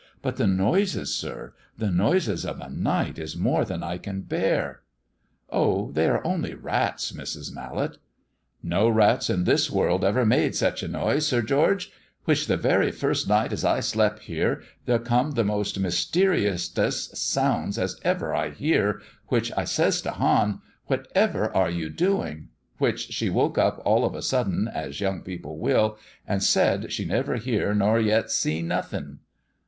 But the noises, sir, the noises of a night is more than I can abear." "Oh, they are only rats, Mrs. Mallet." "No rats in this world ever made sech a noise, Sir George; which the very first night as I slep here, there come the most mysterioustest sounds as ever I hear, which I says to Hann, 'Whatever are you a doing?' which she woke up all of a suddent, as young people will, and said she never hear nor yet see nothing."